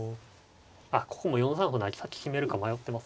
あここも４三歩成先決めるか迷ってますね。